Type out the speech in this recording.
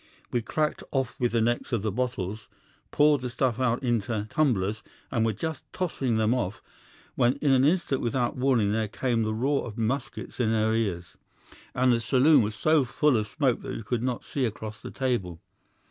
We cracked off the necks of the bottles, poured the stuff out into tumblers, and were just tossing them off, when in an instant without warning there came the roar of muskets in our ears, and the saloon was so full of smoke that we could not see across the table.